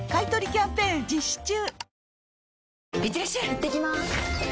いってきます！